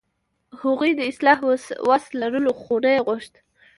هغوی د اصلاح وس لرلو، خو نه یې غوښت.